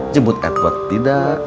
jebut edward tidak